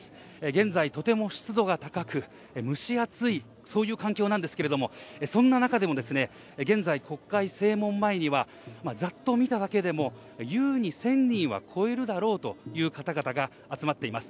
現在、とても湿度が高く、蒸し暑い、そういう環境なんですけれども、そんな中でも、現在、国会正門前にはざっと見ただけでも、ゆうに１０００人は超えるだろうという方々が集まっています。